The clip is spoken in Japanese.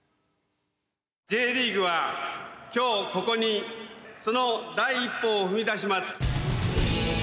Ｊリーグは、今日ここにその第一歩を踏み出します。